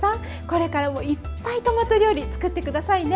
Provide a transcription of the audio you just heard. これからもいっぱいトマト料理作って下さいね。